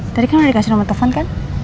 tadi kan udah dikasih nomor telepon kan